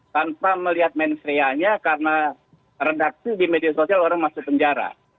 tanpa melihat mensreanya karena redaksi di media sosial orang masuk penjara